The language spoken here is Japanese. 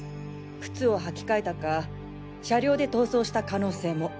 靴を履き替えたか車両で逃走した可能性も。